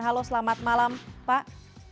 halo selamat malam pak